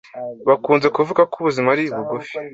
Bakunze kuvuga ko ubuzima ari bugufi.